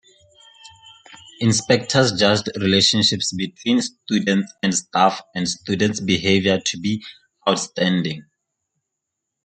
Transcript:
Inspectors judged relationships between students and staff and student behaviour to be "outstanding".